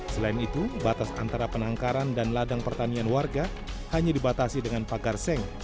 selain itu batas antara penangkaran dan ladang pertanian warga hanya dibatasi dengan pagar seng